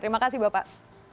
terima kasih bapak